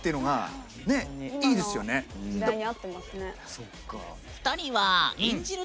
そっか。